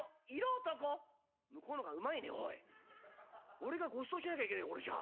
俺がごちそうしなきゃいけねえこれじゃあ。